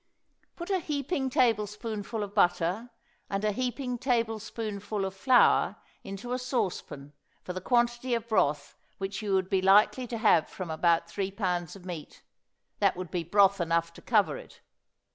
Put a heaping tablespoonful of butter and a heaping tablespoonful of flour into a saucepan for the quantity of broth which you would be likely to have from about three pounds of meat; that would be broth enough to cover it.